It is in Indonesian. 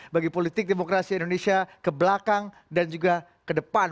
bagi politik demokrasi indonesia ke belakang dan juga ke depan